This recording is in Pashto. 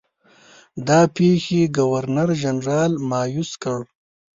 دا پیښې ګورنرجنرال مأیوس کړ.